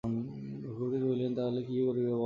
রঘুপতি কহিলেন, তা হইলে কী করিবে বলো।